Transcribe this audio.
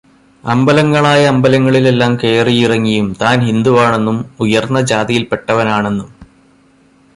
അമ്പലങ്ങളായ അമ്പലങ്ങളിലെല്ലാം കയറിയിറങ്ങിയും താന് ഹിന്ദുവാണെന്നും ഉയര്ന്ന ജാതിയില്പ്പെട്ടവനാണെന്നും